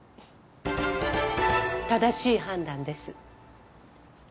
正しい判断です。